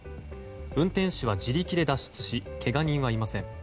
運転手は自力で脱出しけが人はいません。